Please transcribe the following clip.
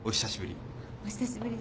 お久しぶり。